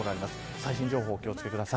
最新情報にお気を付けください。